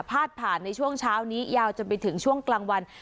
พาดผ่านในช่วงเช้านี้ยาวจนไปถึงช่วงกลางวัน